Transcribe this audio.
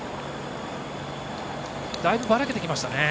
だいぶ、ばらけてきましたね。